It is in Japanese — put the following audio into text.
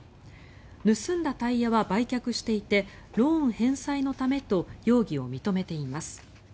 盗んだタイヤは売却していてローン返済のためと容疑を認めています。